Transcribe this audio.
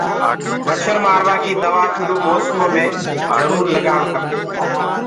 مڇآ مآروآ ڪي دوآ اُرو موسمو مي جروُر لگآڻ ڪپينٚ۔